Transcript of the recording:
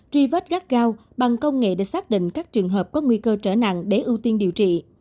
truy vết gắt gao bằng công nghệ để xác định các trường hợp có nguy cơ trở nặng để ưu tiên điều trị